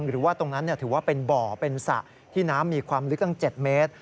หรือว่าตรงนั้นถือว่าเป็นบ่อเป็นสระที่น้ำมีความลึกตั้ง๗เมตร